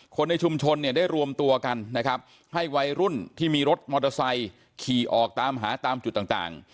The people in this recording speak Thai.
คนในชุมชนเนี่ยได้รวมตัวกันนะครับให้วัยรุ่นที่มีรถมอเตอร์ไซค์ขี่ออกตามหาตามจุดต่าง